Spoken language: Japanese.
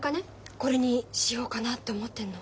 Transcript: これにしようかなって思ってんの。